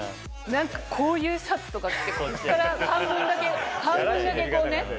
何かこういうシャツとか着てここから半分だけこうね。